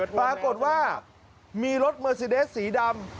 ปรากฏว่ามีรถเมอร์ซีเดสสีดำ